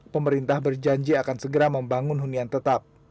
pemerintah berjanji akan segera membangun hunian tetap